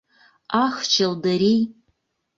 Ах, чылдырий!